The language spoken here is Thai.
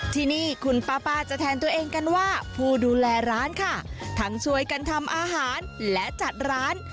ที่นี่คุณป้าป้าจะแทนตัวเองกันว่าผู้ดูแลร้านค่ะทั้งช่วยกันทำอาหารและจัดร้าน